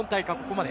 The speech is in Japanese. まで